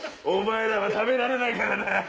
お前らは食べられないからな！